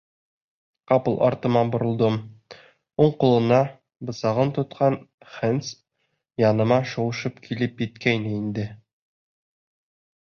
Ҡапыл артыма боролдом: уң ҡулына бысағын тотҡан Хэндс яныма шыуышып килеп еткәйне инде.